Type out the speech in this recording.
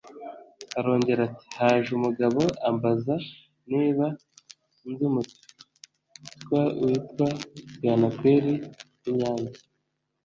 Arongera ati “Haje umugabo ambaza niba nzi umutwa witwa Bwanakweri w’i Nyanza